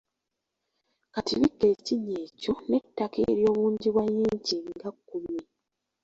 Kati bikka ekinnya ekyo n’ettaka ery’obungi bwa yinchi nga kumi.